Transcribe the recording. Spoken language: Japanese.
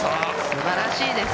すばらしいです。